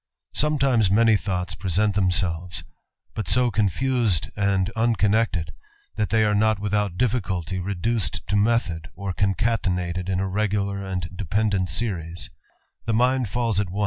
etimes many thoughts present themselves ; but ntl ed and unconnected, that they arc not without ty reduced to method, or concatenated in A rcg\))(ir ependent series: the mind falls at om?